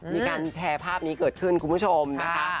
มีการแชร์ภาพนี้เกิดขึ้นคุณผู้ชมนะคะ